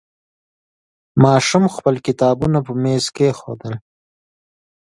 ماشوم خپل کتابونه په میز کېښودل.